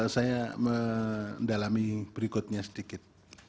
saya mendalami berikutnya sedikit